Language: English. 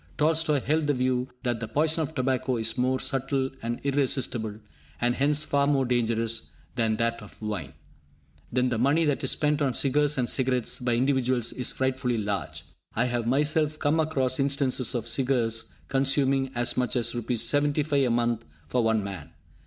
Tolstoi held the view that the poison of tobacco is more subtle and irresistible, and hence far more dangerous, than that of wine. Then the money that is spent on cigars and cigarettes by individuals is frightfully large. I have myself come across instances of cigars consuming as much as Rs. 75 a month for one man!